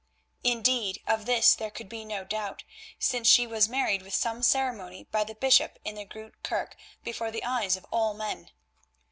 Indeed of this there could be no doubt, since she was married with some ceremony by the Bishop in the Groote Kerk before the eyes of all men.